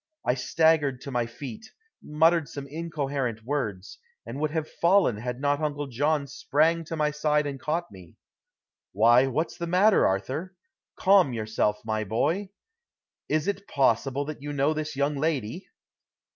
I staggered to my feet, muttered some incoherent words, and would have fallen had not Uncle John sprang to my side and caught me. "Why, what's the matter, Arthur? Calm yourself, my boy. Is it possible that you know this young lady?"